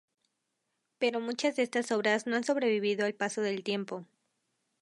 Pero muchas de estas obras no han sobrevivido al paso del tiempo.